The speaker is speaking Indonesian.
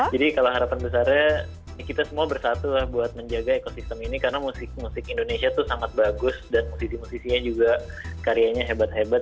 jadi kalau harapan besarnya kita semua bersatu lah buat menjaga ekosistem ini karena musik indonesia tuh sangat bagus dan musisi musisinya juga karyanya hebat hebat